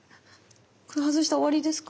これ外したら終わりですか？